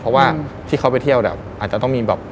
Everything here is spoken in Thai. เพราะว่าที่เขาไปเที่ยวเนี่ยอาจจะต้องมีแบบ